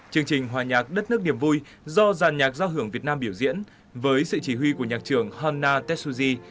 chương trình hòa nhạc đất nước niềm vui do giàn nhạc giao hưởng việt nam biểu diễn với sự chỉ huy của nhạc trưởng hanna tetsuji